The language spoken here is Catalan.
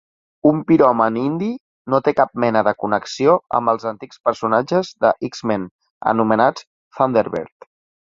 Un piròman indi, no té cap mena de connexió amb els antics personatges de X-Men anomenats Thunderbird.